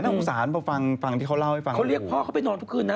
สงสารพอฟังฟังที่เขาเล่าให้ฟังเขาเรียกพ่อเขาไปนอนทุกคืนนะ